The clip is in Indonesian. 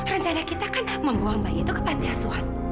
rencana kita kan membawa bayi itu ke pantai asuhan